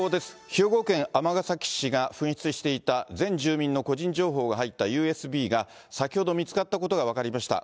兵庫県尼崎市が紛失していた全住民の個人情報が入ったＵＳＢが、先ほど見つかったことが分かりました。